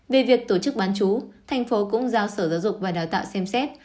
về việc tổ chức bán chú thành phố cũng giao sở giáo dục và đào tạo xem xét